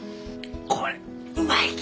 これうまいき！